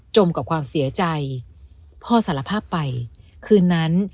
กับความเสียใจพ่อสารภาพไปคืนนั้น